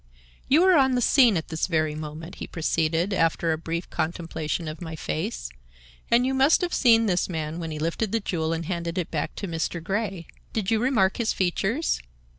"You were on the scene at this very moment," he proceeded, after a brief contemplation of my face, "and you must have seen this man when he lifted the jewel and handed it back to Mr. Grey. Did you remark his features?"